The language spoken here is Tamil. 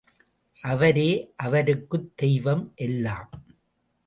அவரே அவருக்குத் தெய்வம் எல்லாம்.